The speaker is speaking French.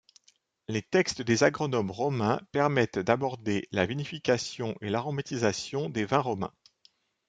Les textes des agronomes romains permettent d'aborder la vinification et l'aromatisation des vins romains.